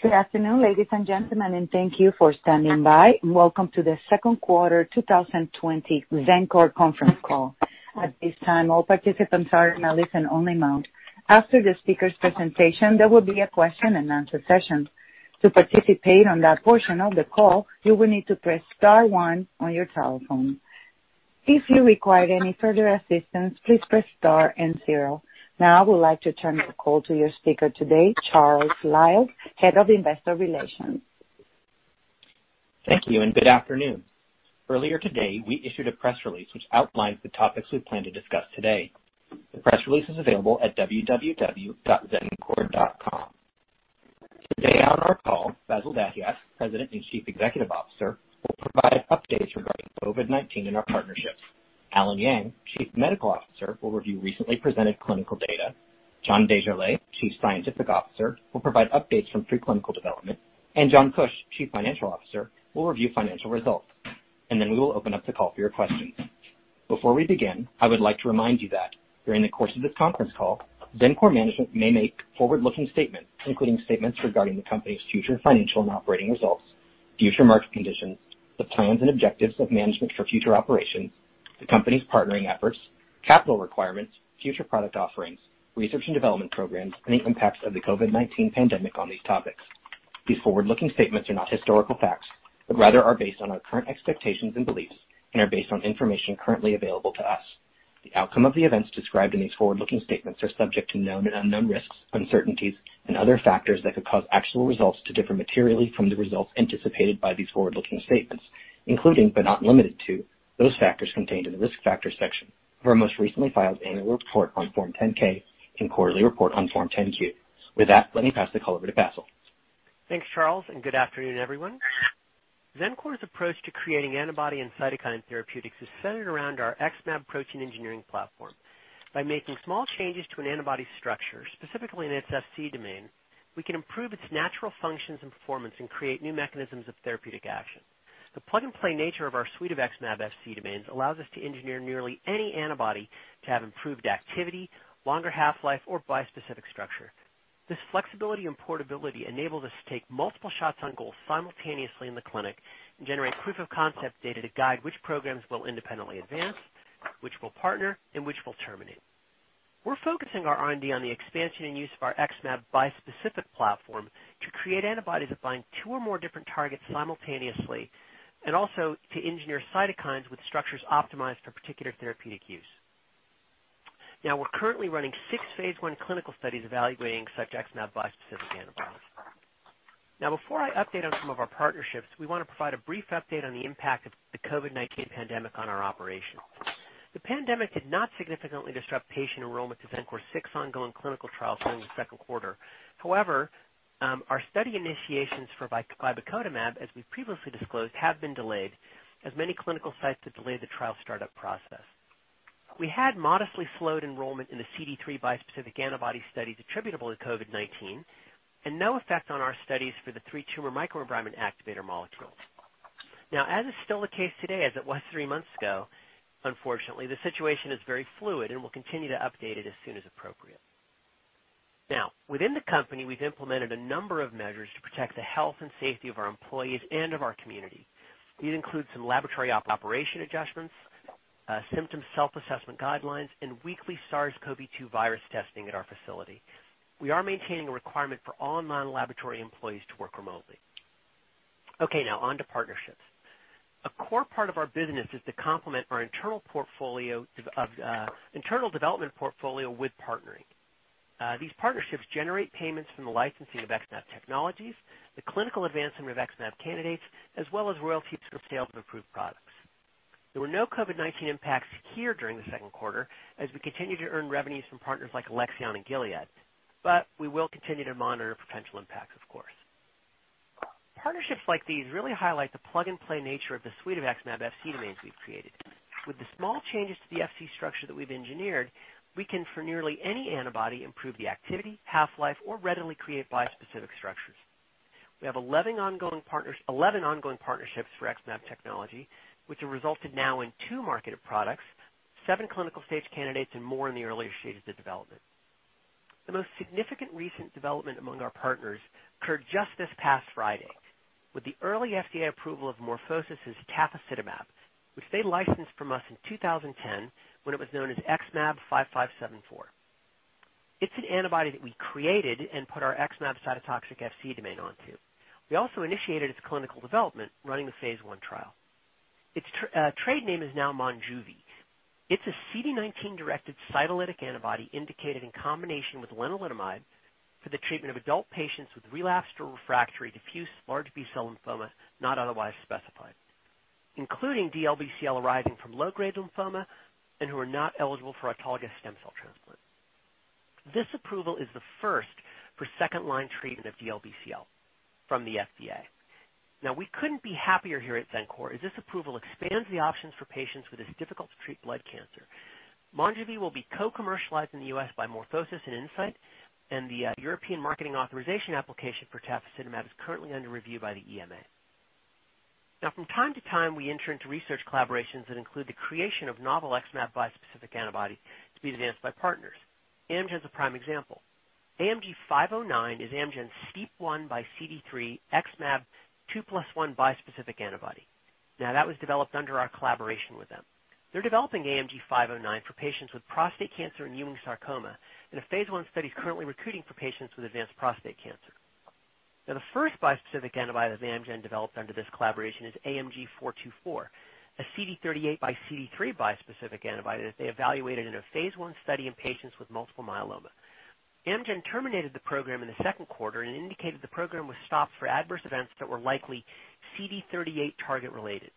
Good afternoon, ladies and gentlemen, and thank you for standing by. Welcome to the second quarter 2020 Xencor conference call. At this time, all participants are in a listen-only mode. After the speaker's presentation, there will be a question-and-answer session. To participate in that portion of the call, you will need to press star one on your telephone. If you require any further assistance, please press star and zero. I would like to turn the call to your speaker today, Charles Liles, Head of Investor Relations. Thank you. Good afternoon. Earlier today, we issued a press release which outlines the topics we plan to discuss today. The press release is available at www.xencor.com. Today on our call, Bassil Dahiyat, President and Chief Executive Officer, will provide updates regarding COVID-19 and our partnerships. Allen Yang, Chief Medical Officer, will review recently presented clinical data. John Desjarlais, Chief Scientific Officer, will provide updates from preclinical development, and John Kuch, Chief Financial Officer, will review financial results. We will open up the call for your questions. Before we begin, I would like to remind you that during the course of this conference call, Xencor management may make forward-looking statements, including statements regarding the company's future financial and operating results, future market conditions, the plans and objectives of management for future operations, the company's partnering efforts, capital requirements, future product offerings, research and development programs, and the impacts of the COVID-19 pandemic on these topics. These forward-looking statements are not historical facts, but rather are based on our current expectations and beliefs and are based on information currently available to us. The outcome of the events described in these forward-looking statements are subject to known and unknown risks, uncertainties, and other factors that could cause actual results to differ materially from the results anticipated by these forward-looking statements, including but not limited to, those factors contained in the risk factor section of our most recently filed annual report on Form 10-K and quarterly report on Form 10-Q. With that, let me pass the call over to Bassil. Thanks, Charles, and good afternoon, everyone. Xencor's approach to creating antibody and cytokine therapeutics is centered around our XmAb protein engineering platform. By making small changes to an antibody structure, specifically in its Fc domain, we can improve its natural functions and performance and create new mechanisms of therapeutic action. The plug-and-play nature of our suite of XmAb Fc domains allows us to engineer nearly any antibody to have improved activity, longer half-life, or bispecific structure. This flexibility and portability enable us to take multiple shots on goal simultaneously in the clinic and generate proof of concept data to guide which programs we'll independently advance, which we'll partner, and which we'll terminate. We're focusing our R&D on the expansion and use of our XmAb bispecific platform to create antibodies that bind two or more different targets simultaneously, and also to engineer cytokines with structures optimized for particular therapeutic use. We're currently running six phase I clinical studies evaluating such XmAb bispecific antibodies. Before I update on some of our partnerships, we want to provide a brief update on the impact of the COVID-19 pandemic on our operations. The pandemic did not significantly disrupt patient enrollment of Xencor's six ongoing clinical trials during the second quarter. However, our study initiations for obexelimab, as we've previously disclosed, have been delayed, as many clinical sites have delayed the trial startup process. We had modestly slowed enrollment in the CD3 bispecific antibody studies attributable to COVID-19 and no effect on our studies for the three tumor microenvironment activator molecules. As is still the case today as it was three months ago, unfortunately, the situation is very fluid, we'll continue to update it as soon as appropriate. Within the company, we've implemented a number of measures to protect the health and safety of our employees and of our community. These include some laboratory operation adjustments, symptom self-assessment guidelines, and weekly SARS-CoV-2 virus testing at our facility. We are maintaining a requirement for all non-laboratory employees to work remotely. On to partnerships. A core part of our business is to complement our internal development portfolio with partnering. These partnerships generate payments from the licensing of XmAb technologies, the clinical advancement of XmAb candidates, as well as royalties for sales of approved products. There were no COVID-19 impacts here during the second quarter, as we continue to earn revenues from partners like Alexion and Gilead. We will continue to monitor potential impacts, of course. Partnerships like these really highlight the plug-and-play nature of the suite of XmAb Fc domains we've created. With the small changes to the Fc structure that we've engineered, we can, for nearly any antibody, improve the activity, half-life, or readily create bispecific structures. We have 11 ongoing partnerships for XmAb technology, which have resulted now in two marketed products, seven clinical-stage candidates, and more in the earlier stages of development. The most significant recent development among our partners occurred just this past Friday with the early FDA approval of MorphoSys' tafasitamab, which they licensed from us in 2010 when it was known as XmAb5574. It's an antibody that we created and put our XmAb Cytotoxic Fc domain on two. We also initiated its clinical development, running the phase I trial. Its trade name is now Monjuvi. It's a CD19-directed cytolytic antibody indicated in combination with lenalidomide for the treatment of adult patients with relapsed or refractory diffuse large B-cell lymphoma, not otherwise specified, including DLBCL arising from low-grade lymphoma and who are not eligible for autologous stem cell transplant. This approval is the first for second-line treatment of DLBCL from the FDA. We couldn't be happier here at Xencor, as this approval expands the options for patients with this difficult-to-treat blood cancer. Monjuvi will be co-commercialized in the U.S. by MorphoSys and Incyte, the European Marketing Authorization application for tafasitamab is currently under review by the EMA. From time to time, we enter into research collaborations that include the creation of novel XmAb bispecific antibodies to be advanced by partners. Amgen's a prime example. AMG 509 is Amgen's STEAP1 by CD3 XmAb 2+1 bispecific antibody. That was developed under our collaboration with them. They're developing AMG 509 for patients with prostate cancer and Ewing sarcoma, a phase I study is currently recruiting for patients with advanced prostate cancer. The first bispecific antibody that Amgen developed under this collaboration is AMG 424, a CD38 by CD3 bispecific antibody that they evaluated in a phase I study in patients with multiple myeloma. Amgen terminated the program in the second quarter and indicated the program was stopped for adverse events that were likely CD38 target-related.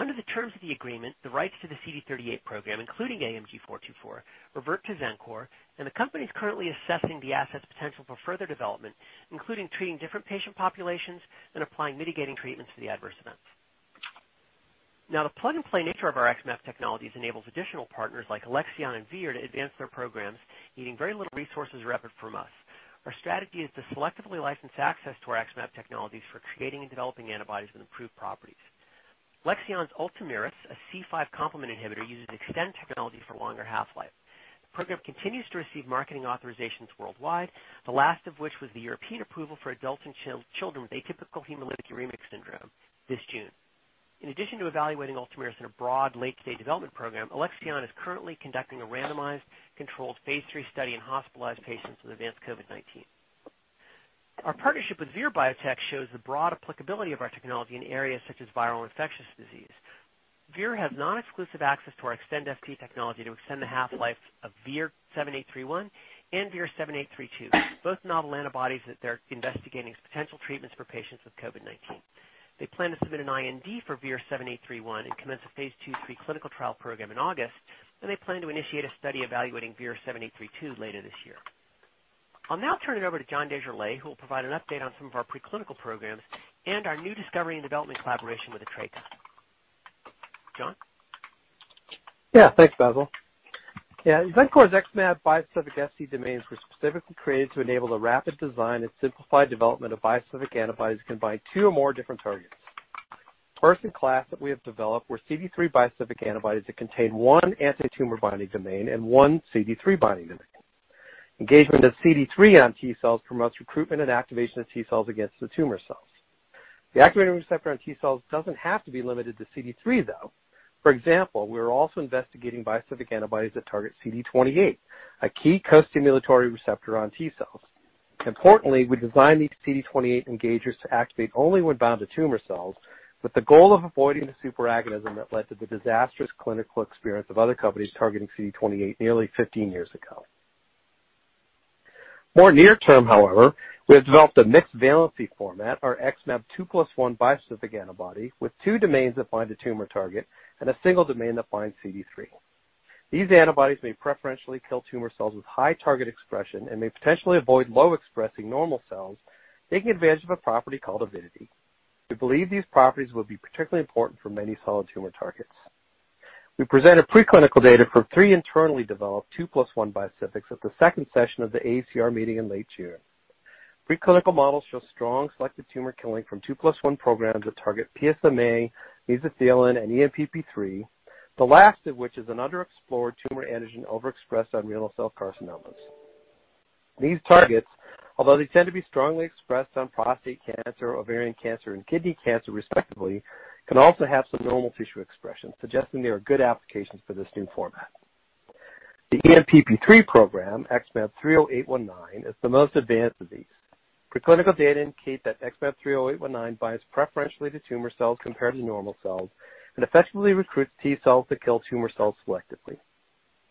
Under the terms of the agreement, the rights to the CD38 program, including AMG 424, revert to Xencor, and the company's currently assessing the asset's potential for further development, including treating different patient populations and applying mitigating treatments for the adverse events. The plug-and-play nature of our XmAb technologies enables additional partners like Alexion and Vir to advance their programs, needing very little resources or effort from us. Our strategy is to selectively license access to our XmAb technologies for creating and developing antibodies with improved properties. Alexion's ULTOMIRIS, a C5 complement inhibitor, uses Xtend technology for longer half-life. The program continues to receive marketing authorizations worldwide, the last of which was the European approval for adults and children with atypical hemolytic uremic syndrome this June. In addition to evaluating ULTOMIRIS in a broad late-stage development program, Alexion is currently conducting a randomized, controlled phase III study in hospitalized patients with advanced COVID-19. Our partnership with Vir Biotechnology shows the broad applicability of our technology in areas such as viral infectious disease. Vir has non-exclusive access to our Xtend SC technology to extend the half-life of VIR-7831 and VIR-7832, both novel antibodies that they're investigating as potential treatments for patients with COVID-19. They plan to submit an IND for VIR-7831 and commence a phase II/III clinical trial program in August, and they plan to initiate a study evaluating VIR-7832 later this year. I'll now turn it over to John Desjarlais, who will provide an update on some of our preclinical programs and our new discovery and development collaboration with Atreca. John? Thanks, Bassil. Xencor's XmAb bispecific Fc domains were specifically created to enable the rapid design and simplified development of bispecific antibodies that can bind two or more different targets. First in class that we have developed were CD3 bispecific antibodies that contain one anti-tumor binding domain and one CD3 binding domain. Engagement of CD3 on T-cells promotes recruitment and activation of T-cells against the tumor cells. The activating receptor on T-cells doesn't have to be limited to CD3, though. For example, we are also investigating bispecific antibodies that target CD28, a key co-stimulatory receptor on T-cells. Importantly, we designed these CD28 engagers to activate only when bound to tumor cells, with the goal of avoiding the superagonism that led to the disastrous clinical experience of other companies targeting CD28 nearly 15 years ago. More near term, however, we have developed a mixed valency format, our XmAb 2+1 bispecific antibody, with two domains that bind the tumor target and a single domain that binds CD3. These antibodies may preferentially kill tumor cells with high target expression and may potentially avoid low-expressing normal cells, taking advantage of a property called avidity. We believe these properties will be particularly important for many solid tumor targets. We presented preclinical data for three internally developed two plus one bispecifics at the second session of the AACR meeting in late June. Preclinical models show strong selective tumor killing from 2+1 programs that target PSMA, mesothelin, and ENPP3, the last of which is an underexplored tumor antigen overexpressed on renal cell carcinomas. These targets, although they tend to be strongly expressed on prostate cancer, ovarian cancer, and kidney cancer respectively, can also have some normal tissue expression, suggesting they are good applications for this new format. The ENPP3 program, XmAb30819, is the most advanced of these. Preclinical data indicate that XmAb30819 binds preferentially to tumor cells compared to normal cells and effectively recruits T-cells to kill tumor cells selectively.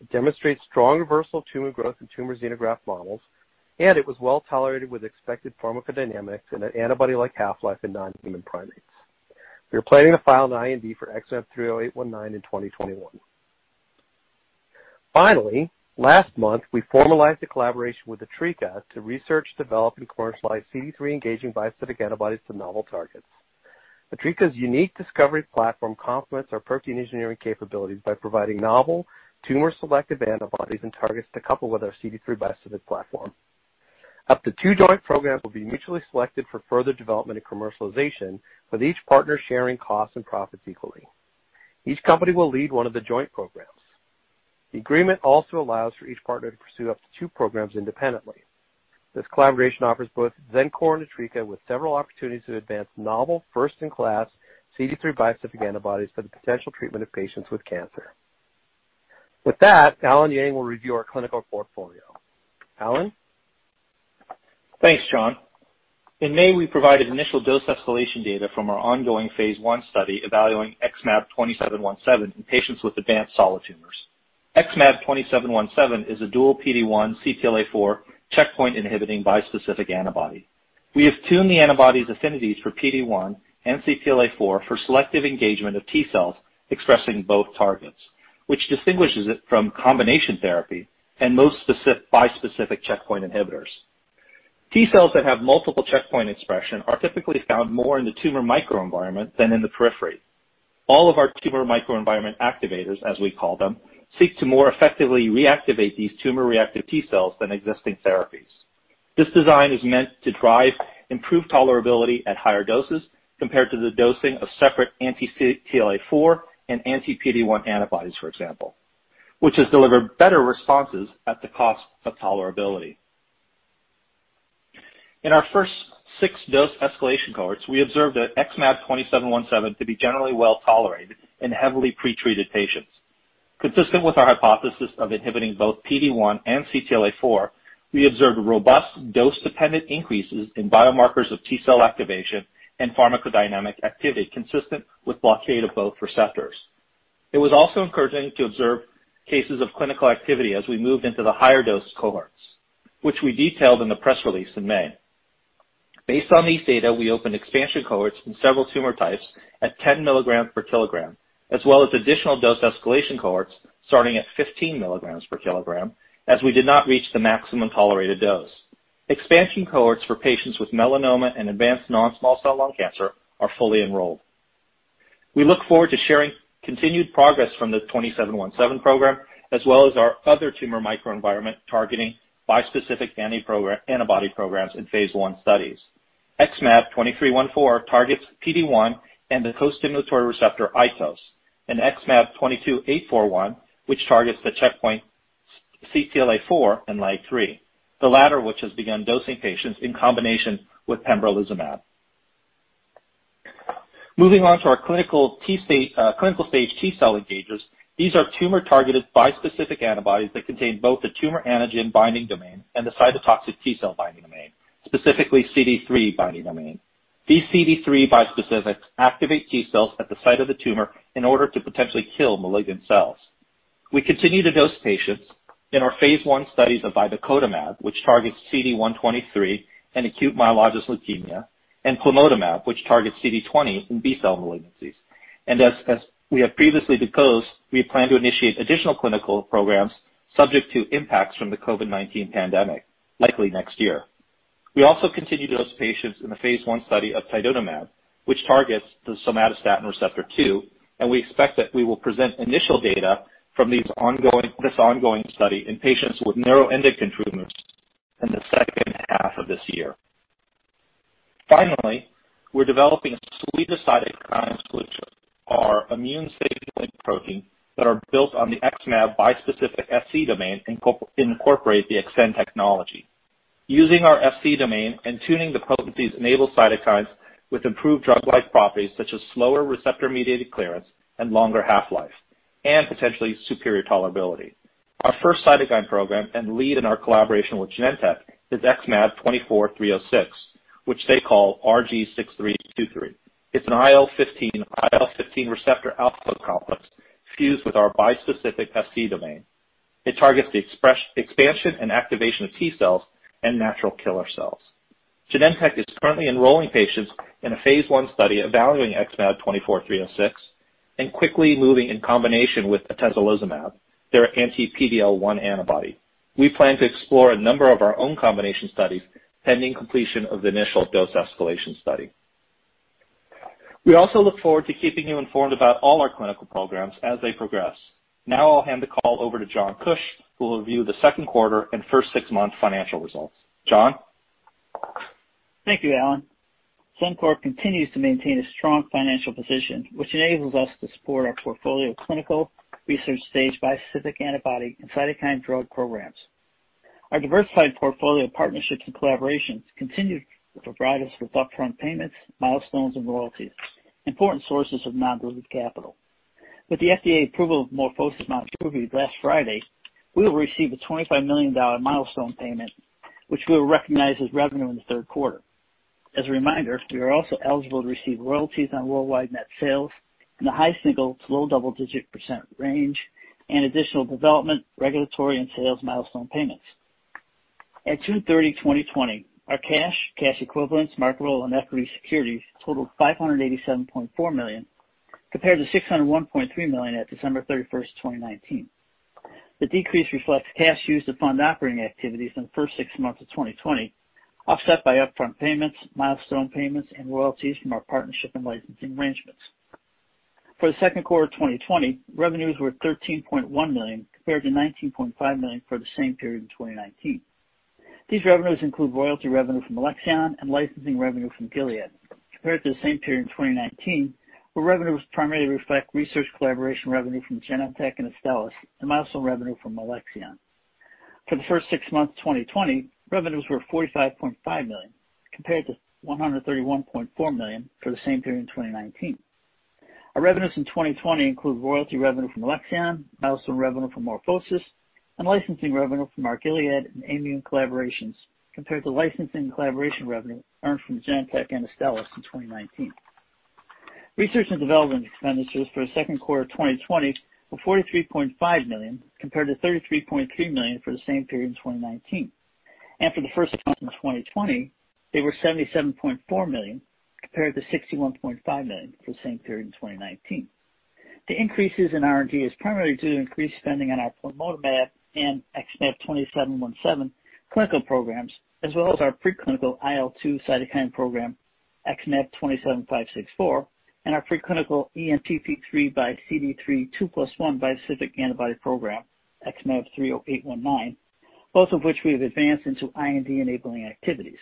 It demonstrates strong reversal tumor growth in tumor xenograft models, and it was well-tolerated with expected pharmacodynamics in an antibody-like half-life in non-human primates. We are planning to file an IND for XmAb30819 in 2021. Last month, we formalized a collaboration with Atreca to research, develop, and commercialize CD3-engaging bispecific antibodies to novel targets. Atreca's unique discovery platform complements our protein engineering capabilities by providing novel, tumor-selective antibodies and targets to couple with our CD3 bispecific platform. Up to two joint programs will be mutually selected for further development and commercialization, with each partner sharing costs and profits equally. Each company will lead one of the joint programs. The agreement also allows for each partner to pursue up to two programs independently. This collaboration offers both Xencor and Atreca with several opportunities to advance novel first-in-class CD3 bispecific antibodies for the potential treatment of patients with cancer. With that, Allen Yang will review our clinical portfolio. Allen? Thanks, John. In May, we provided initial dose escalation data from our ongoing phase I study evaluating XmAb20717 in patients with advanced solid tumors. XmAb20717 is a dual PD-1/CTLA-4 checkpoint-inhibiting bispecific antibody. We have tuned the antibody's affinities for PD-1 and CTLA-4 for selective engagement of T-cells expressing both targets, which distinguishes it from combination therapy and most bispecific checkpoint inhibitors. T-cells that have multiple checkpoint expression are typically found more in the tumor microenvironment than in the periphery. All of our tumor microenvironment activators, as we call them, seek to more effectively reactivate these tumor-reactive T cells than existing therapies. This design is meant to drive improved tolerability at higher doses compared to the dosing of separate anti-CTLA4 and anti-PD-1 antibodies, for example, which has delivered better responses at the cost of tolerability. In our first six-dose escalation cohorts, we observed that XmAb20717 to be generally well-tolerated in heavily pretreated patients. Consistent with our hypothesis of inhibiting both PD-1 and CTLA4, we observed robust dose-dependent increases in biomarkers of T-cell activation and pharmacodynamic activity consistent with blockade of both receptors. It was also encouraging to observe cases of clinical activity as we moved into the higher dose cohorts, which we detailed in the press release in May. Based on these data, we opened expansion cohorts in several tumor types at 10 mg/kg, as well as additional dose escalation cohorts starting at 15 milligrams per kilogram, as we did not reach the maximum tolerated dose. Expansion cohorts for patients with melanoma and advanced non-small cell lung cancer are fully enrolled. We look forward to sharing continued progress from the 20717 program, as well as our other tumor microenvironment targeting bispecific antibody programs in phase I studies. XmAb23104 targets PD-1 and the costimulatory receptor ICOS, and XmAb22841, which targets the checkpoint CTLA-4 and LAG-3, the latter which has begun dosing patients in combination with pembrolizumab. Moving on to our clinical stage T-cell engagers. These are tumor-targeted bispecific antibodies that contain both the tumor antigen binding domain and the cytotoxic T-cell binding domain, specifically CD3 binding domain. These CD3 bispecifics activate T cells at the site of the tumor in order to potentially kill malignant cells. We continue to dose patients in our phase I studies of vibecotamab, which targets CD123 in acute myeloid leukemia, plamotamab, which targets CD20 in B-cell malignancies. As we have previously disclosed, we plan to initiate additional clinical programs subject to impacts from the COVID-19 pandemic, likely next year. We also continue to dose patients in the phase I study of tidutamab, which targets the somatostatin receptor 2, and we expect that we will present initial data from this ongoing study in patients with neuroendocrine tumors in the second half of this year. Finally, we're developing a suite of cytokine switches, our immune-stimulatory proteins that are built on the XmAb bispecific Fc domain, incorporate the Xtend technology. Using our Fc domain and tuning the properties enable cytokines with improved drug-like properties such as slower receptor-mediated clearance and longer half-life, and potentially superior tolerability. Our first cytokine program and lead in our collaboration with Genentech is XmAb24306, which they call RG6323. It's an IL-15/IL-15R-alpha complex fused with our bispecific Fc domain. It targets the expansion and activation of T cells and natural killer cells. Genentech is currently enrolling patients in a phase I study evaluating XmAb24306 and quickly moving in combination with atezolizumab, their anti-PD-L1 antibody. We plan to explore a number of our own combination studies pending completion of the initial dose escalation study. We also look forward to keeping you informed about all our clinical programs as they progress. Now I'll hand the call over to John Kuch, who will review the second quarter and first six-month financial results. John? Thank you, Allen. Xencor continues to maintain a strong financial position, which enables us to support our portfolio of clinical research-stage bispecific antibody and cytokine drug programs. Our diversified portfolio of partnerships and collaborations continue to provide us with upfront payments, milestones, and royalties, important sources of non-diluted capital. With the FDA approval of MorphoSys Monjuvi last Friday, we will receive a $25 million milestone payment, which we will recognize as revenue in the third quarter. As a reminder, we are also eligible to receive royalties on worldwide net sales in the high single to low double-digit percent range and additional development, regulatory, and sales milestone payments. At June 30, 2020, our cash equivalents, marketable, and equity securities totaled $587.4 million, compared to $601.3 million at December 31st, 2019. The decrease reflects cash used to fund operating activities in the first six months of 2020, offset by upfront payments, milestone payments, and royalties from our partnership and licensing arrangements. For the second quarter 2020, revenues were $13.1 million, compared to $19.5 million for the same period in 2019. These revenues include royalty revenue from Alexion and licensing revenue from Gilead compared to the same period in 2019, where revenue was primarily reflect research collaboration revenue from Genentech and Astellas and milestone revenue from Alexion. For the first six months of 2020, revenues were $45.5 million, compared to $131.4 million for the same period in 2019. Our revenues in 2020 include royalty revenue from Alexion, milestone revenue from MorphoSys, and licensing revenue from our Gilead and Amgen collaborations, compared to licensing and collaboration revenue earned from Genentech and Astellas in 2019. Research and development expenditures for the second quarter of 2020 were $43.5 million, compared to $33.3 million for the same period in 2019. For the first half of 2020, they were $77.4 million, compared to $61.5 million for the same period in 2019. The increases in R&D is primarily due to increased spending on our plamotamab and XmAb2717 clinical programs, as well as our preclinical IL-2 cytokine program, XmAb27564, and our preclinical ENPP3 x CD3 2+1 bispecific antibody program, XmAb30819, both of which we have advanced into IND-enabling activities.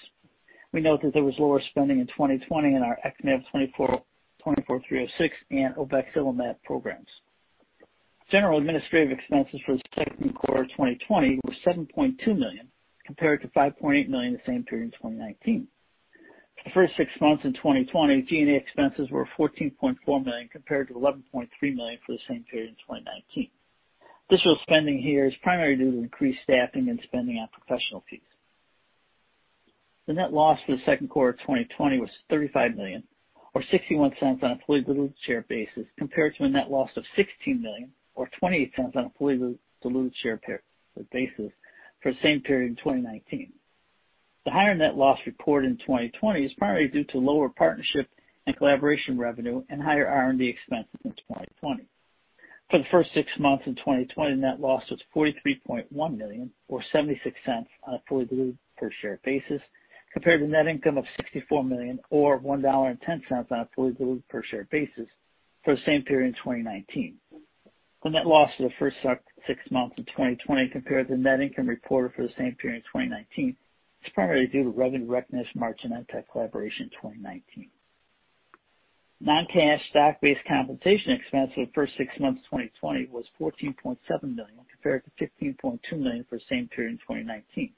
We note that there was lower spending in 2020 in our XmAb24306 and obexelimab programs. General administrative expenses for the second quarter of 2020 were $7.2 million, compared to $5.8 million the same period in 2019. For the first six months in 2020, G&A expenses were $14.4 million, compared to $11.3 million for the same period in 2019. Additional spending here is primarily due to increased staffing and spending on professional fees. The net loss for the second quarter of 2020 was $35 million or $0.61 on a fully diluted share basis, compared to a net loss of $16 million or $0.28 on a fully diluted share basis for the same period in 2019. The higher net loss reported in 2020 is primarily due to lower partnership and collaboration revenue and higher R&D expenses in 2020. For the first six months in 2020, net loss was $43.1 million or $0.76 on a fully diluted per share basis, compared to net income of $64 million or $1.10 on a fully diluted per share basis for the same period in 2019. The net loss for the first six months of 2020 compared to the net income reported for the same period in 2019 is primarily due to revenue recognized Genetech collaboration 2019. Non-cash stock-based compensation expense for the first six months of 2020 was $14.7 million, compared to $15.2 million for the same period in 2019.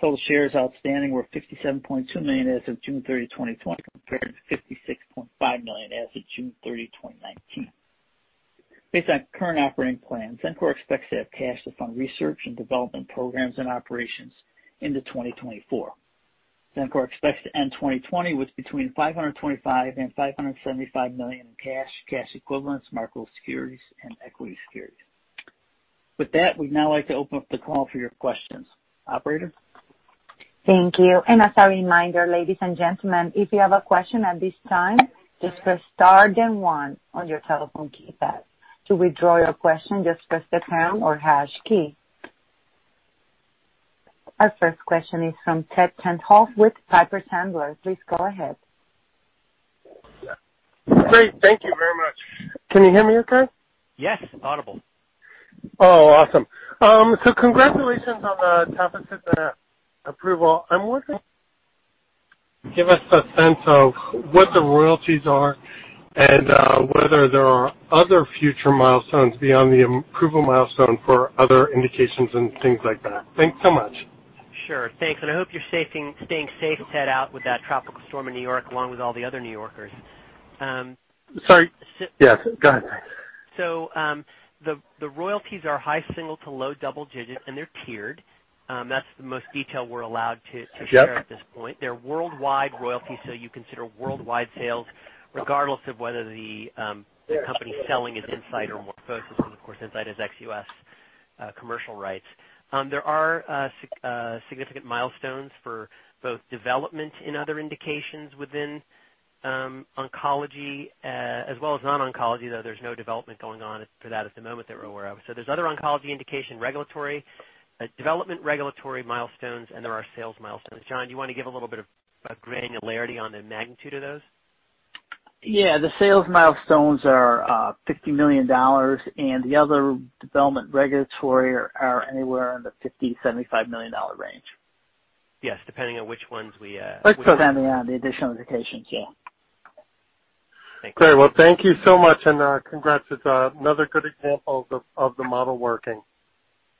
Total shares outstanding were $57.2 million as of June 30th, 2020, compared to $56.5 million as of June 30th, 2019. Based on current operating plans, Xencor expects to have cash to fund research and development programs and operations into 2024. Xencor expects to end 2020 with between $525 million and $575 million in cash equivalents, marketable securities and equity securities. With that, we'd now like to open up the call for your questions. Operator? Thank you. As a reminder, ladies and gentlemen, if you have a question at this time, just press star then one on your telephone keypad. To withdraw your question, just press the pound or hash key. Our first question is from Ted Tenthoff with Piper Sandler. Please go ahead. Great. Thank you very much. Can you hear me okay? Yes. Audible. Oh, awesome. Congratulations on the tafasitamab approval. I'm wondering, give us a sense of what the royalties are and whether there are other future milestones beyond the approval milestone for other indications and things like that. Thanks so much. Sure. Thanks. I hope you're staying safe, Ted, out with that tropical storm in New York, along with all the other New Yorkers. Sorry. Yes, go ahead. The royalties are high single to low double digits, and they're tiered. That's the most detail we're allowed to share. Yep At this point. They are worldwide royalties, you consider worldwide sales regardless of whether the company selling is Incyte or MorphoSys, and of course, Incyte has ex-US commercial rights. There are significant milestones for both development in other indications within oncology as well as non-oncology, though there is no development going on for that at the moment that we are aware of. There is other oncology indication regulatory, development regulatory milestones, and there are sales milestones. John, do you want to give a little bit of granularity on the magnitude of those? Yeah. The sales milestones are $50 million, and the other development regulatory are anywhere in the $50 million-$75 million range. Yes, depending on which ones. Depending on the additional indications, yeah. Thank you. Great. Well, thank you so much, and congrats. It's another good example of the model working.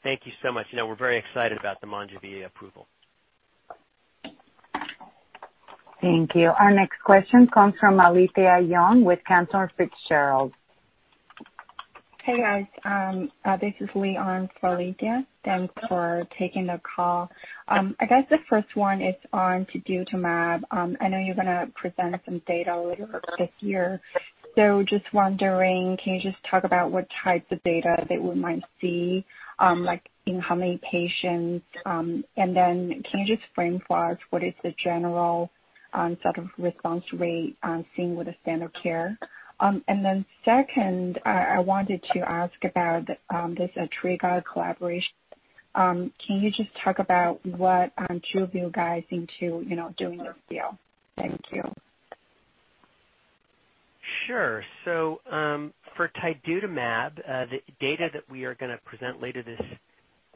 Thank you so much. We're very excited about the Monjuvi approval. Thank you. Our next question comes from Alethia Young with Cantor Fitzgerald. Hey, guys. This is Leon on for Alethia. Thanks for taking the call. I guess the first one is on tidutamab. I know you're going to present some data later this year. Just wondering, can you just talk about what types of data that we might see? Like, how many patients? Can you just frame for us what is the general sort of response rate seen with the standard care? Second, I wanted to ask about this Atreca collaboration. Can you just talk about what drove you guys into doing this deal? Thank you. Sure. For Tidutamab, the data that we are going to present later this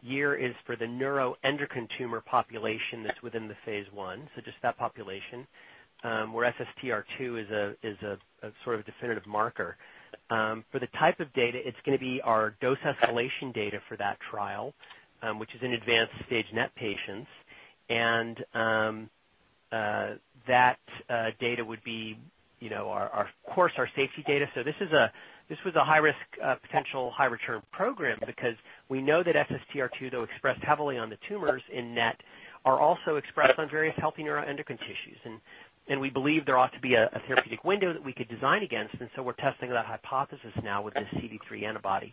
year is for the neuroendocrine tumor population that's within the phase I. Just that population, where SSTR2 is a sort of definitive marker. For the type of data, it's going to be our dose escalation data for that trial, which is in advanced stage NET patients. That data would be of course, our safety data. This was a high risk, potential high return program because we know that SSTR2, though expressed heavily on the tumors in NET, are also expressed on various healthy neuroendocrine tissues. We believe there ought to be a therapeutic window that we could design against, we're testing that hypothesis now with this CD3 antibody.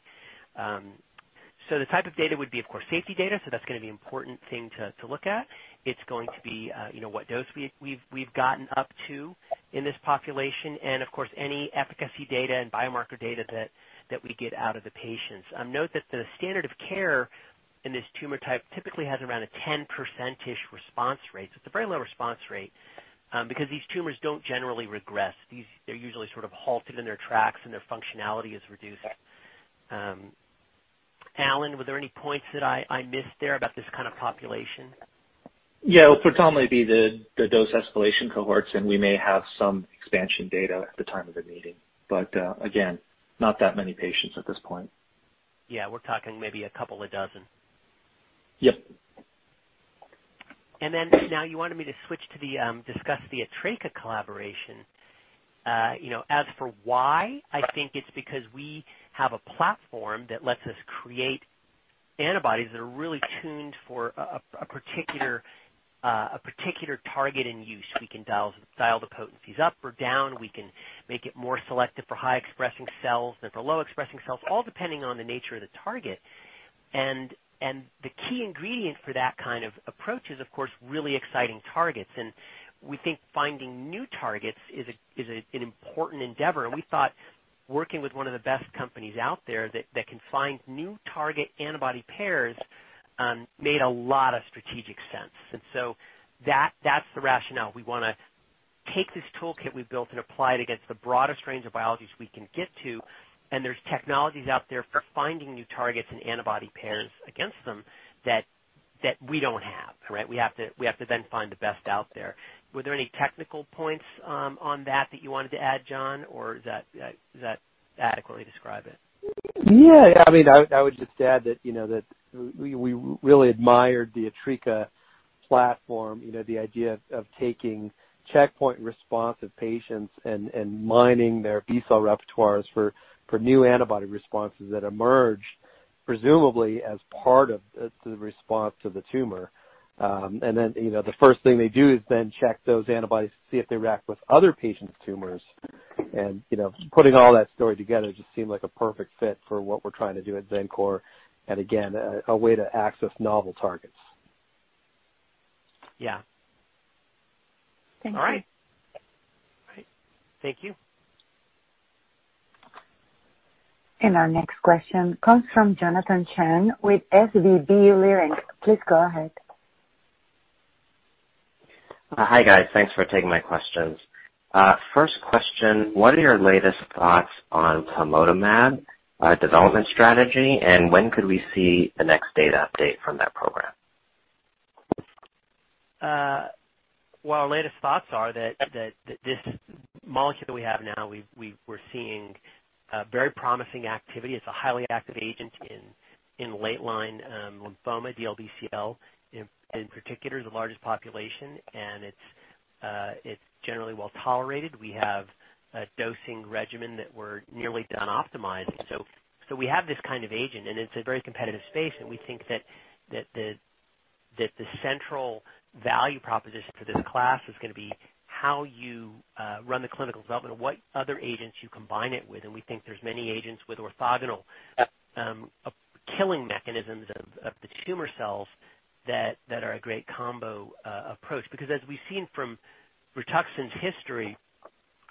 The type of data would be, of course, safety data, that's going to be important thing to look at. It's going to be what dose we've gotten up to in this population, and of course, any efficacy data and biomarker data that we get out of the patients. Note that the standard of care in this tumor type typically has around a 10%-ish response rate. It's a very low response rate, because these tumors don't generally regress. They're usually sort of halted in their tracks and their functionality is reduced. Allen, were there any points that I missed there about this kind of population? Yeah. It'll predominantly be the dose escalation cohorts, and we may have some expansion data at the time of the meeting. Again, not that many patients at this point. Yeah. We're talking maybe a couple of dozen. Yep. Now you wanted me to switch to discuss the Atreca collaboration. As for why, I think it's because we have a platform that lets us create antibodies that are really tuned for a particular target and use. We can dial the potencies up or down. We can make it more selective for high-expressing cells than for low-expressing cells, all depending on the nature of the target. The key ingredient for that kind of approach is, of course, really exciting targets. We think finding new targets is an important endeavor. We thought working with one of the best companies out there that can find new target antibody pairs, made a lot of strategic sense. That's the rationale. We want to take this toolkit we've built and apply it against the broadest range of biologies we can get to, and there's technologies out there for finding new targets and antibody pairs against them that we don't have, right? We have to then find the best out there. Were there any technical points on that that you wanted to add, John? Does that adequately describe it? Yeah. I would just add that we really admired the Atreca platform. The idea of taking checkpoint responsive patients and mining their B-cell repertoires for new antibody responses that emerge, presumably as part of the response to the tumor. Then, the first thing they do is then check those antibodies to see if they react with other patients' tumors. Putting all that story together just seemed like a perfect fit for what we're trying to do at Xencor, and again, a way to access novel targets. Yeah. Thank you. All right. Great. Thank you. Our next question comes from Jonathan Chang with SVB Leerink. Please go ahead. Hi, guys. Thanks for taking my questions. First question, what are your latest thoughts on plamotamab development strategy, and when could we see the next data update from that program? Our latest thoughts are that this molecule that we have now, we're seeing very promising activity. It's a highly active agent in late-line lymphoma, DLBCL in particular, is the largest population, and it's generally well-tolerated. We have a dosing regimen that we're nearly done optimizing. We have this kind of agent, and it's a very competitive space, and we think that the central value proposition for this class is going to be how you run the clinical development, what other agents you combine it with, and we think there's many agents with orthogonal killing mechanisms of the tumor cells that are a great combo approach. As we've seen from Rituxan's history,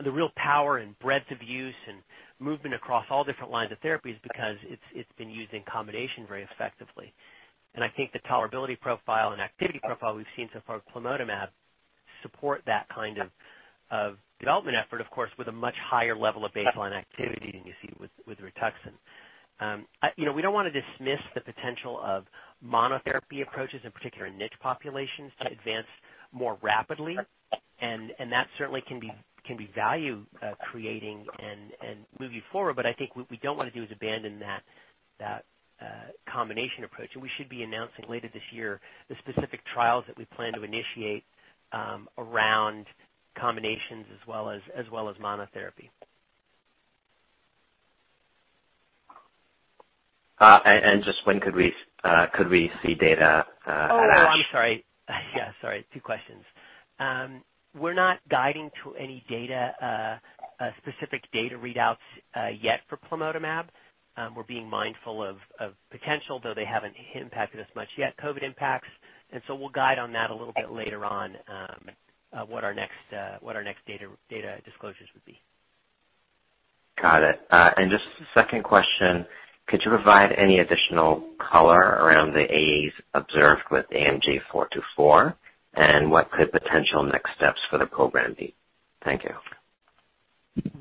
the real power and breadth of use and movement across all different lines of therapy is because it's been used in combination very effectively. I think the tolerability profile and activity profile we've seen so far with plamotamab support that kind of development effort, of course, with a much higher level of baseline activity than you see with Rituxan. We don't want to dismiss the potential of monotherapy approaches, in particular niche populations to advance more rapidly. That certainly can be value creating and move you forward, but I think what we don't want to do is abandon that combination approach. We should be announcing later this year the specific trials that we plan to initiate around combinations as well as monotherapy. Just when could we see data out of? I'm sorry. Yeah, sorry. Two questions. We're not guiding to any specific data readouts yet for plamotamab. We're being mindful of potential, though they haven't impacted us much yet, COVID impacts, and so we'll guide on that a little bit later on, what our next data disclosures would be. Got it. Just second question, could you provide any additional color around the AEs observed with AMG 424, and what could potential next steps for the program be? Thank you.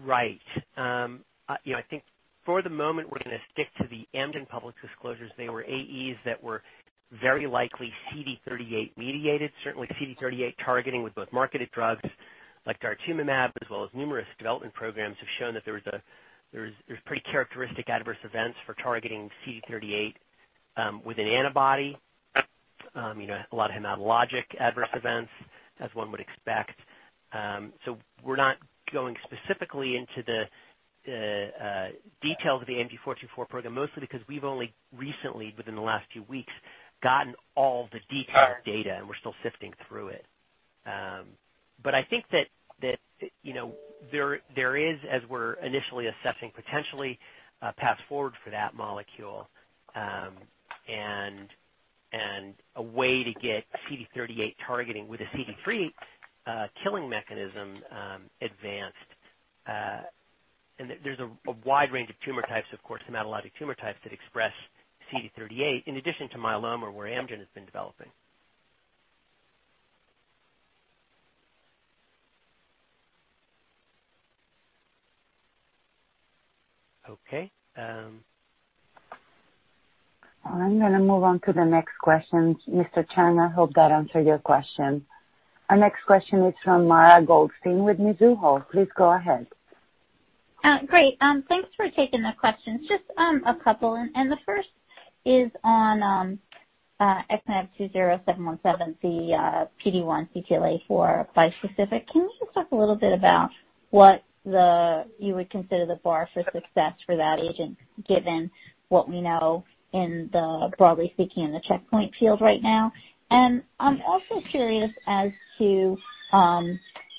Right. I think for the moment, we're going to stick to the AMG public disclosures. They were AEs that were very likely CD38 mediated, certainly CD38 targeting with both marketed drugs like daratumumab as well as numerous development programs have shown that there's pretty characteristic adverse events for targeting CD38 with an antibody. A lot of hematologic adverse events, as one would expect. We're not going specifically into the details of the AMG 424 program, mostly because we've only recently, within the last few weeks, gotten all the detailed data, and we're still sifting through it. I think that there is, as we're initially assessing, potentially a path forward for that molecule, and a way to get CD38 targeting with a CD3 killing mechanism advanced. There's a wide range of tumor types, of course, hematologic tumor types that express CD38 in addition to myeloma, where Amgen has been developing. Okay. I'm going to move on to the next questions, Mr. Chang. I hope that answered your question. Our next question is from Mara Goldstein with Mizuho. Please go ahead. Great. Thanks for taking the questions. Just a couple, and the first is on X On XmAb20717, the PD-1 CTLA-4 bispecific. Can you just talk a little bit about what you would consider the bar for success for that agent, given what we know in the, broadly speaking, in the checkpoint field right now? I'm also curious as to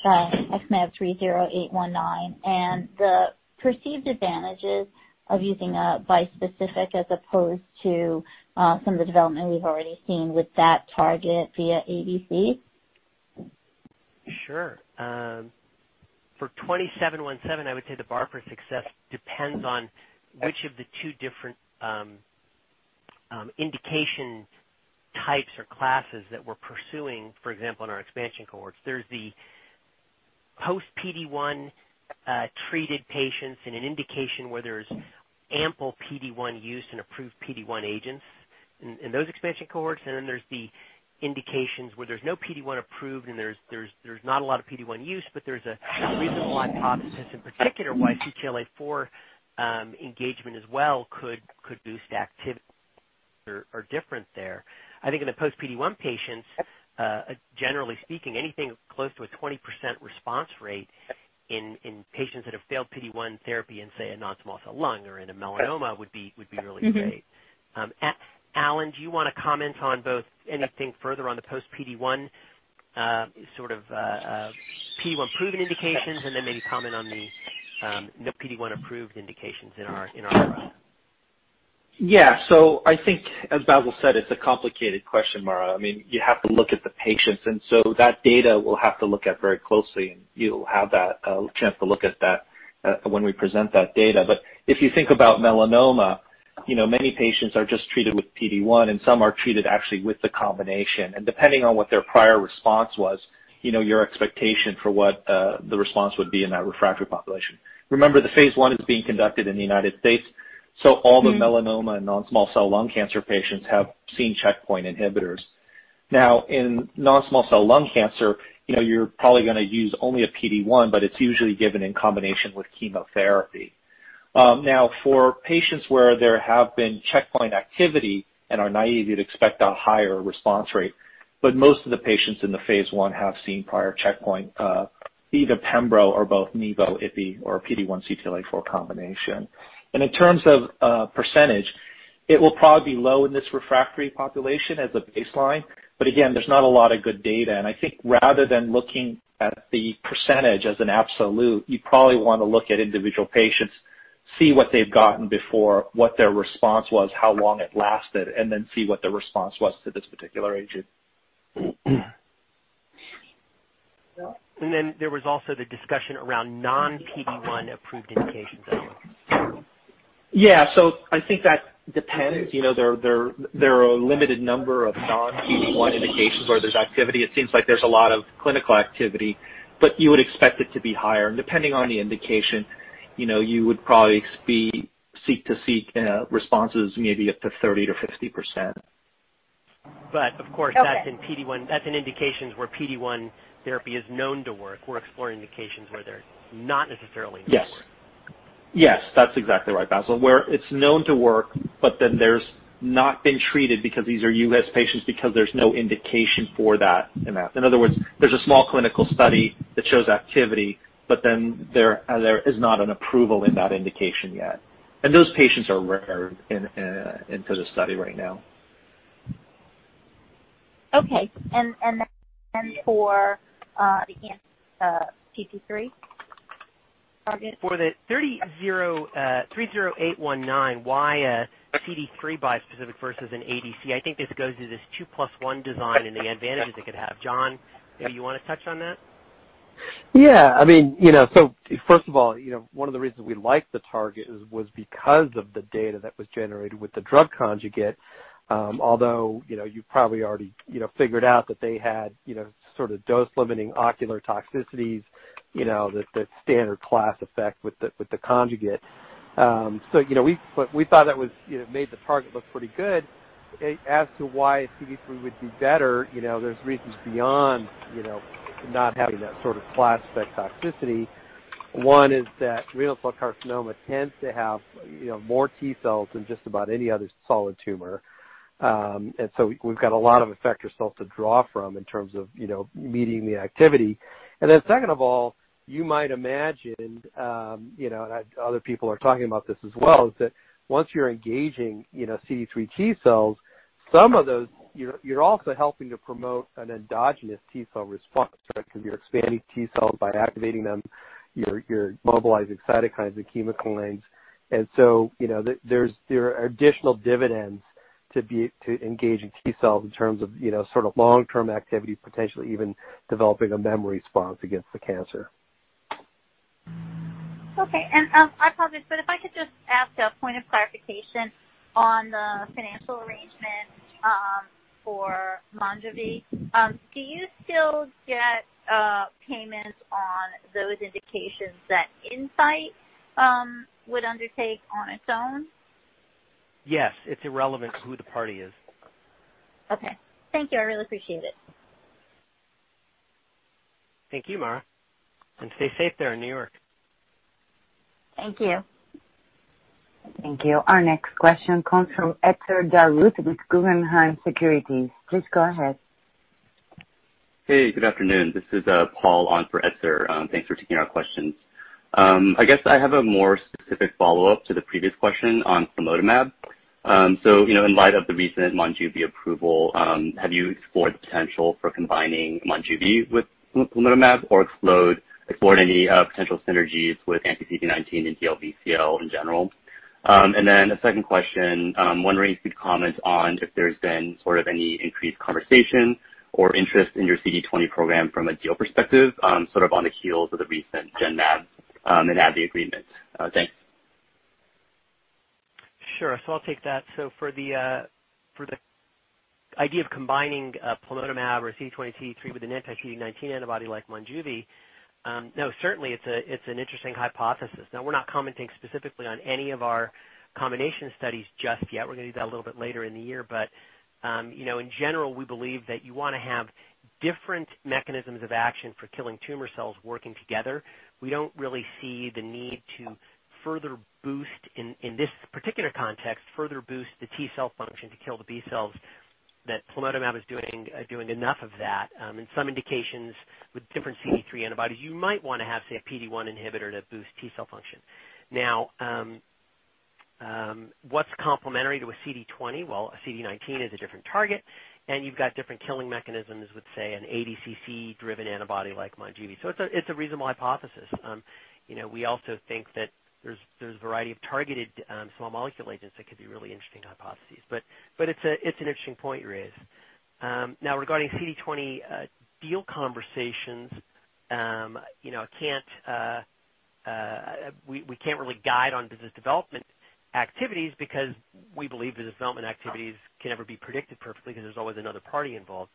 XmAb30819 and the perceived advantages of using a bispecific as opposed to some of the development we've already seen with that target via ADC. Sure. For 20717, I would say the bar for success depends on which of the two different indication types or classes that we're pursuing, for example, in our expansion cohorts. There's the post PD-1 treated patients in an indication where there's ample PD-1 use and approved PD-1 agents in those expansion cohorts. Then there's the indications where there's no PD-1 approved and there's not a lot of PD-1 use, but there's a reasonable hypothesis, in particular, why CTLA-4 engagement as well could boost activity are different there. I think in the post PD-1 patients, generally speaking, anything close to a 20% response rate in patients that have failed PD-1 therapy in, say, a non-small cell lung or in a melanoma would be really great. Allen, do you want to comment on both anything further on the post PD-1 sort of, PD-1-proven indications and then maybe comment on the non-PD-1-approved indications. I think, as Bassil said, it's a complicated question, Mara. You have to look at the patients, that data we'll have to look at very closely, and you'll have that chance to look at that when we present that data. If you think about melanoma, many patients are just treated with PD-1, and some are treated actually with the combination. Depending on what their prior response was, your expectation for what the response would be in that refractory population. Remember, the phase I is being conducted in the U.S., all the melanoma and non-small cell lung cancer patients have seen checkpoint inhibitors. Now, in non-small cell lung cancer, you're probably going to use only a PD-1, it's usually given in combination with chemotherapy. Now, for patients where there have been checkpoint activity and are naive, you'd expect a higher response rate. Most of the patients in the phase I have seen prior checkpoint, either pembrolizumab or both nivo, ipi, or PD-1 CTLA-4 combination. In terms of percentage, it will probably be low in this refractory population as a baseline. Again, there's not a lot of good data, and I think rather than looking at the percentage as an absolute, you probably want to look at individual patients, see what they've gotten before, what their response was, how long it lasted, and then see what the response was to this particular agent. There was also the discussion around non-PD-1 approved indications. Yeah. I think that depends. There are a limited number of non-PD-1 indications where there's activity. It seems like there's a lot of clinical activity, but you would expect it to be higher. Depending on the indication, you would probably seek to see responses maybe up to 30%-50%. Of course, that's in indications where PD-1 therapy is known to work. We're exploring indications where they're not necessarily known to work. Yes. That's exactly right, Bassil. Where it's known to work, but then there's not been treated because these are U.S. patients, because there's no indication for that in that. In other words, there's a small clinical study that shows activity, but then there is not an approval in that indication yet. Those patients are rare into the study right now. Okay. For the anti-CD3 target. For the 30819, why a CD3 bispecific versus an ADC? I think this goes to this 2+1 design and the advantages it could have. John, maybe you want to touch on that? Yeah. First of all, one of the reasons we liked the target was because of the data that was generated with the drug conjugate. Although, you probably already figured out that they had sort of dose-limiting ocular toxicities, the standard class effect with the conjugate. We thought that made the target look pretty good. As to why CD3 would do better, there's reasons beyond not having that sort of class effect toxicity. One is that renal cell carcinoma tends to have more T cells than just about any other solid tumor. We've got a lot of effector cells to draw from in terms of meeting the activity. Second of all, you might imagine, and other people are talking about this as well, is that once you're engaging CD3 T cells, you're also helping to promote an endogenous T cell response, right? You're expanding T cells by activating them. You're mobilizing cytokines and chemokines, there are additional dividends to engaging T cells in terms of long-term activity, potentially even developing a memory response against the cancer. Okay. I apologize, but if I could just ask a point of clarification on the financial arrangement for Monjuvi. Do you still get payments on those indications that Incyte would undertake on its own? Yes, it's irrelevant who the party is. Okay. Thank you. I really appreciate it. Thank you, Mara. Stay safe there in New York. Thank you. Thank you. Our next question comes from Etzer Darout with Guggenheim Securities. Please go ahead. Hey, good afternoon. This is Paul on for Etzer. Thanks for taking our questions. I guess I have a more specific follow-up to the previous question on plamotamab. In light of the recent Monjuvi approval, have you explored the potential for combining Monjuvi with plamotamab or explored any potential synergies with anti-CD19 and DLBCL in general? Then a second question, I'm wondering if you'd comment on if there's been any increased conversation or interest in your CD20 program from a deal perspective, on the heels of the recent Genmab and AbbVie agreement. Thanks. Sure. I'll take that. For the idea of combining plamotamab or CD20/CD3 with an anti-CD19 antibody like Monjuvi, no. Certainly, it's an interesting hypothesis. We're not commenting specifically on any of our combination studies just yet. We're going to do that a little bit later in the year. In general, we believe that you want to have different mechanisms of action for killing tumor cells working together. We don't really see the need to, in this particular context, further boost the T cell function to kill the B cells, that plamotamab is doing enough of that. In some indications with different CD3 antibodies, you might want to have, say, a PD-1 inhibitor to boost T cell function. What's complementary to a CD20? A CD19 is a different target, and you've got different killing mechanisms with, say, an ADCC-driven antibody like Monjuvi. It's a reasonable hypothesis. We also think that there's a variety of targeted small molecule agents that could be really interesting hypotheses. It's an interesting point you raise. Now, regarding CD20 deal conversations, we can't really guide on business development activities because we believe business development activities can never be predicted perfectly because there's always another party involved.